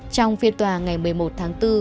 trong phiên tòa ngày một mươi một tháng bốn